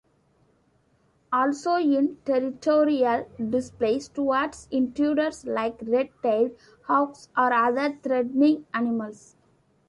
Also in territorial displays towards intruders like red-tailed hawks or other threatening animals.